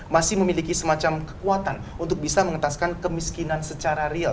masih memiliki semacam kekuatan untuk bisa mengentaskan kemiskinan secara real